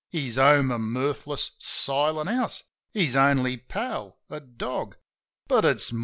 His home a mirthless, silent house, his only pal a dog. But it's Mornin!